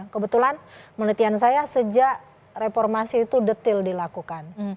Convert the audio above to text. kebetulan penelitian saya sejak reformasi itu detil dilakukan